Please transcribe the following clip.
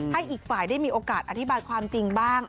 ให้อีกฝ่ายได้มีโอกาสอธิบายความจริงบ้าง